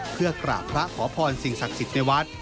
เพื่อกราบพระขอพรสิ่งศักดิ์สิทธิ์ในวัด